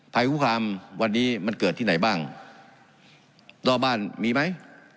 ภัยคุกคามวันนี้มันเกิดที่ไหนบ้างรอบบ้านมีไหม